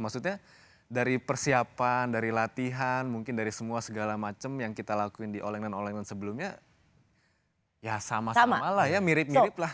maksudnya dari persiapan dari latihan mungkin dari semua segala macam yang kita lakuin di all england all elanland sebelumnya ya sama sama lah ya mirip mirip lah